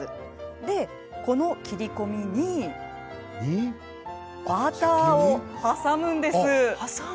で、この切り込みにバターを挟むんです。